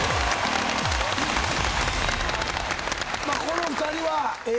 この２人は映画。